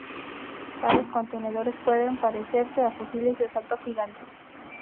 Tales contenedores pueden parecerse a fusiles de asalto gigantes.